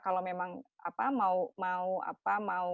kalau memang mau